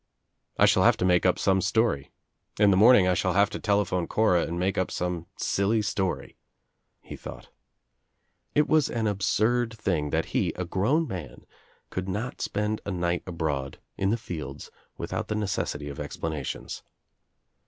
"I shall have to make up some story. In the morning I shall have to tele phone Cora and make up some silly story," he thought. It was an absurd thing that he, a grown man, could not spend a night abroad, in the fields without the necessity of explanations.